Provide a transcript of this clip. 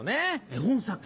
絵本作家。